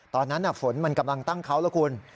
ตอนนั้นฝนมันกำลังตั้งเขาแล้วคุณ